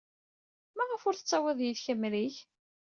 Maɣef ur tettawyeḍ yid-k amrig?